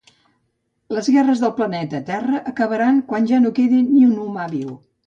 Les guerres del planeta Terra acabaran quan ja no quedi ni un humà viu